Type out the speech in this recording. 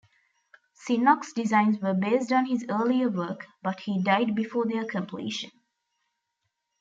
Sinnock's designs were based on his earlier work, but he died before their completion.